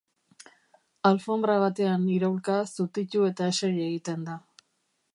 Alfonbra batean iraulka, zutitu eta eseri egiten da.